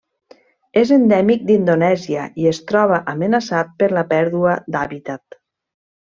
És endèmic d'Indonèsia i es troba amenaçat per la pèrdua d'hàbitat.